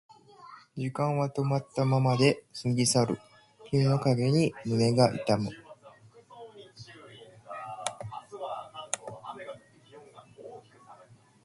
時間は止まったままで過ぎ去る君の影に胸が痛む